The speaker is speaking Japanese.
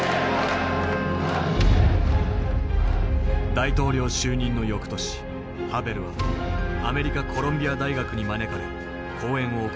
大統領就任の翌年ハベルはアメリカコロンビア大学に招かれ講演を行った。